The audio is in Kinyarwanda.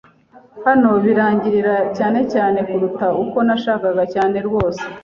"Hano birangirira" cyane cyane kuruta uko nashakaga cyane rwose